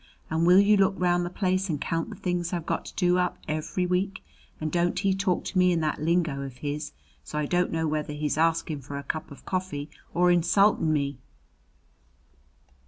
And will you look round the place and count the things I've got to do up every week? And don't he talk to me in that lingo of his, so I don't know whether he's askin' for a cup of coffee or insultin' me?"